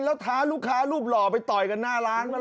แล้วท้าลูกค้ารูปหล่อไปต่อยกันหน้าร้านปะเห